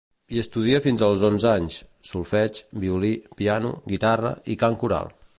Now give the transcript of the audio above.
Hi estudia fins als onze anys: solfeig, violí, piano, guitarra i cant coral.